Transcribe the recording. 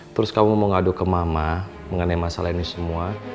terus kamu mau ngadu ke mama mengenai masalah ini semua